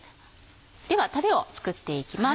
ではタレを作っていきます。